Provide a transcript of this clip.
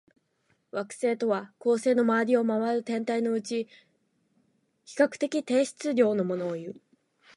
惑星とは、恒星の周りを回る天体のうち、比較的低質量のものをいう。